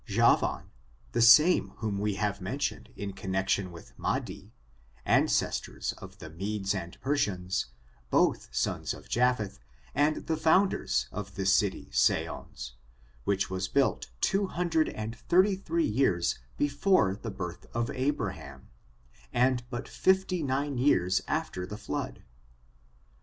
Javan, the same whom we have mentioned in con junction with Aladiy ancestors of the Medes and Per sians, both sons of Japheth, and the founders of the city Seyoiis^ which was built two hundred and thirty three years before the birth of Abraham, and but fifty nine years after the flood.